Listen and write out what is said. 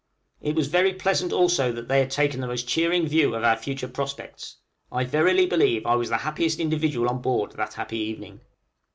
It was very pleasant also that they had taken the most cheering view of our future prospects. I verily believe I was the happiest individual on board, that happy evening.